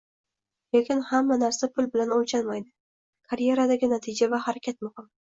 Lekin hamma narsa pul bilan oʻlchanmaydi, karyeradagi natija va harakat muhim.